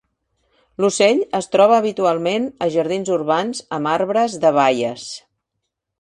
L'ocell es troba habitualment a jardins urbans amb arbres de baies.